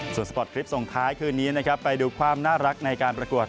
ส่วนสปอร์ตคลิปส่งท้ายคืนนี้นะครับไปดูความน่ารักในการประกวด